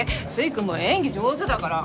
「粋くんも演技上手だから」